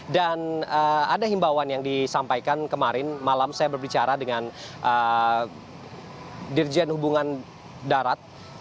dan ada himbawan yang disampaikan kemarin malam saya berbicara dengan dirjen hubungan darat